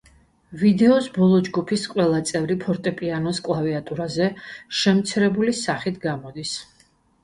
ვიდეოს ბოლოს ჯგუფის ყველა წევრი ფორტეპიანოს კლავიატურაზე შემცირებული სახით გამოდის.